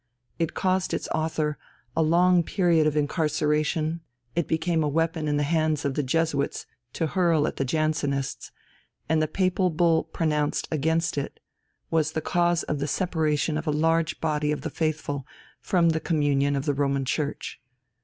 It caused its author a long period of incarceration; it became a weapon in the hands of the Jesuits to hurl at the Jansenists, and the Papal Bull pronounced against it was the cause of the separation of a large body of the faithful from the communion of the Roman Church.